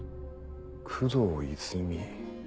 工藤泉？